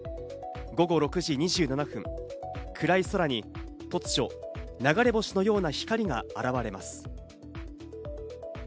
午後６時２７分、暗い空に突如、流れ星のような光が現れます。